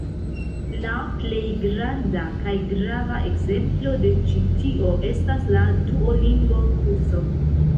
La plej granda kaj grava ekzemplo de ĉi tio estas la Duolingo-kurso.